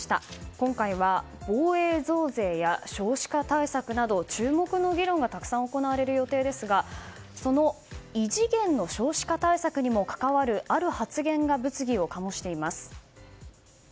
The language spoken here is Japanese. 今回は防衛増税や少子化対策など注目の議論がたくさん行われる予定ですがその異次元の少子化対策にも関わるある発言が物議を醸しています。